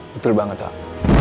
betul banget pak